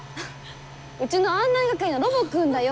うちの案内係のロボくんだよ。